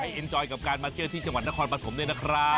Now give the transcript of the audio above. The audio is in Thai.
ขอให้เอ็นจอยกับการมาเจอที่จังหวัดนครปฐมด้วยนะครับ